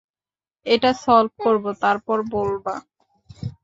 এটা সলভ করবো, তারপর বলবা?